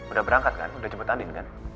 udah berangkat kan udah jemput andin kan